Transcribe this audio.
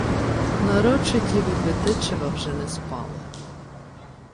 Нарочиті від Витичева вже не спали.